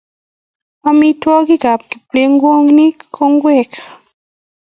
amitwogikab kiplekonik ko ngwek